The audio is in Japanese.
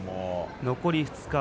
残り２日